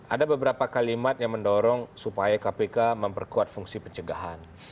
ada beberapa kalimat yang mendorong supaya kpk memperkuat fungsi pencegahan